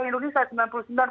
di lapangan itu ada labur migran